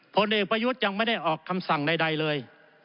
ผลเอกประยุทธ์ยังไม่ได้ออกคำสั่งใดเลย